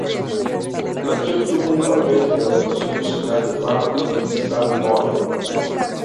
Aquí obtuvo un papel en la adaptación musical de "Bar Mitzvah Boy".